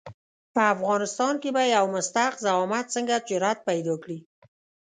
په افغانستان کې به یو مستحق زعامت څنګه جرآت پیدا کړي.